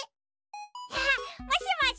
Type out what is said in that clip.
あっもしもし？